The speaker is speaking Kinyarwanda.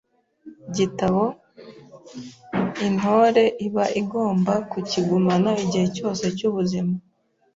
gitabo intore iba igomba kukigumana igihe cyose cyubuzima